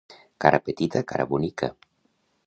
Cara petita, cara bonica.